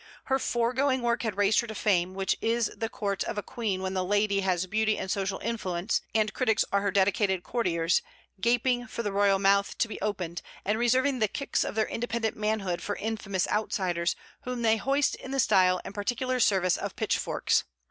Her foregoing work had raised her to Fame, which is the Court of a Queen when the lady has beauty and social influence, and critics are her dedicated courtiers, gaping for the royal mouth to be opened, and reserving the kicks of their independent manhood for infamous outsiders, whom they hoist in the style and particular service of pitchforks.